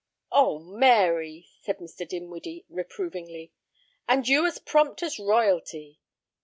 "Oh, Mary!" said Mr. Dinwiddie, reprovingly, "and you as prompt as royalty.